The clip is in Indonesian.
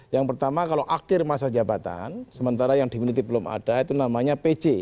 yang pertama kalau akhir masa jabatan sementara yang dimunity belum ada itu namanya pj